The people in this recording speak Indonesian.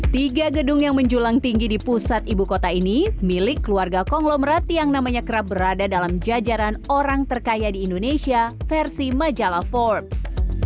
tiga gedung yang menjulang tinggi di pusat ibu kota ini milik keluarga konglomerat yang namanya kerap berada dalam jajaran orang terkaya di indonesia versi majalah forbes